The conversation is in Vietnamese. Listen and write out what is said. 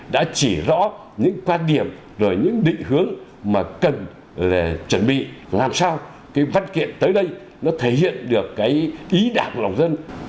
đã chỉ rõ những quan điểm rồi những định hướng mà cần là chuẩn bị làm sao cái văn kiện tới đây nó thể hiện được cái ý đảng lòng dân